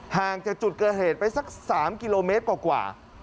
ห่างจากจุดเกิดเหตุไปสัก๓กิโลเมตรกว่า